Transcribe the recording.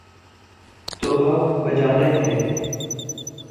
تو حق بجانب ہیں۔